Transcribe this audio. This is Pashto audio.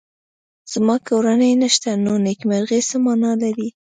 زما کورنۍ نشته نو نېکمرغي څه مانا لري